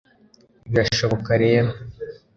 birashoboka rero